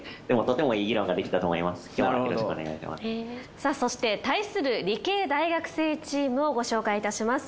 さぁそして対する理系大学生チームをご紹介いたします。